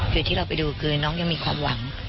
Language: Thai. คือที่เราไปดูคือน้องยังมีความหวัง